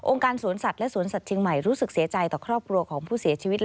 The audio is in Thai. การสวนสัตว์และสวนสัตว์เชียงใหม่รู้สึกเสียใจต่อครอบครัวของผู้เสียชีวิต